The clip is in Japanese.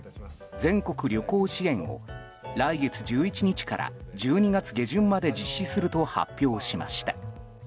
全国旅行支援を、来月１１日から１２月下旬まで実施すると発表しました。